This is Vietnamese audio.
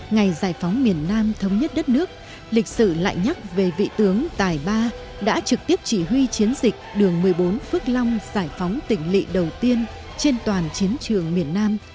ngày giải phóng miền nam thống nhất đất nước lịch sử lại nhắc về vị tướng tài ba đã trực tiếp chỉ huy chiến dịch đường một mươi bốn phước long giải phóng tỉnh lị đầu tiên trên toàn chiến trường miền nam